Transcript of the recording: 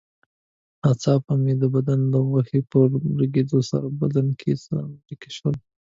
ناڅاپه مې د بدن د غوښې په پرېکېدلو سره په بدن کې څړیکه وشول.